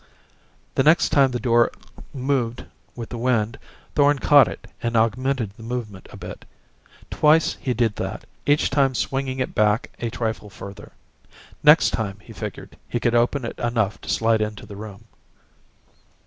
The next time the door moved with the wind, Thorn caught it and augmented the movement a bit. Twice he did that, each time swinging it back a trifle further. Next time, he figured, he could open it enough to slide into the room.